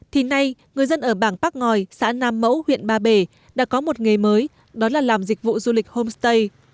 thì nay người dân ở bảng bác ngòi xã nam mẫu huyện ba bể đã có một nghề mới đó là làm dịch vụ du lịch homestay